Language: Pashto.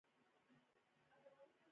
د خپلو ماما ګانو هندوستان کښې